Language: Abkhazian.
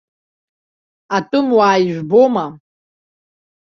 Атәымуаа, ижәбома?